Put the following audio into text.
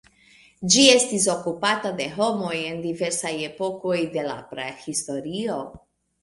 Ĝi estis okupata de homoj en diversaj epokoj de la Prahistorio.